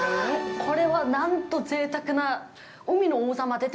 これはなんとぜいたくな！